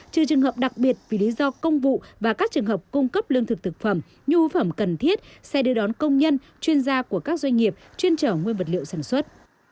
trừ trường hợp đặc biệt vì lý do công vụ và các trường hợp cung cấp lương thực thực phẩm nhu phẩm cần thiết xe đưa đón công nhân chuyên gia của các doanh nghiệp chuyên trở nguyên vật liệu sản xuất